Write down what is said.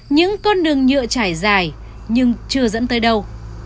những con đường nhựa trải dài nhưng chưa dẫn tới đâu